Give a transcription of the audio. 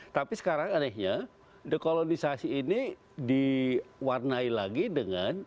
tapi sekarang anehnya dekolonisasi ini diwarnai lagi dengan